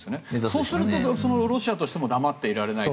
そうすると、ロシアとしても黙っていられない。